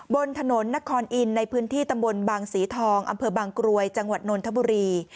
บนถนนนครอินในพื้นที่ตำบลบางสีทองอำเภอบางกรวยจังหวัดนนทบุรี